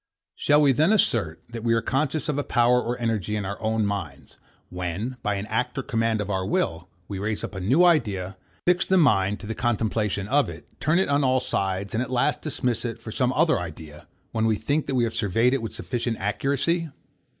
Shall we then assert, that we are conscious of a power or energy in our own minds, when, by an act or command of our will, we raise up a new idea, fix the mind to the contemplation of it, turn it on all sides, and at last dismiss it for some other idea, when we think that we have surveyed it with sufficient accuracy?